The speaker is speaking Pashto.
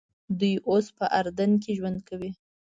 دوی اوس په اردن کې ژوند کوي.